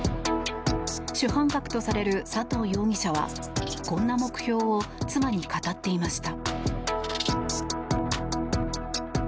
主犯格とされる佐藤容疑者はこんな目標を妻に語っていました。